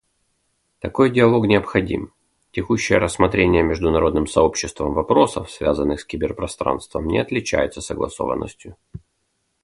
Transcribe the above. Такой диалог необходим; текущее рассмотрение международным сообществом вопросов, связанных с киберпространством, не отличается согласованностью.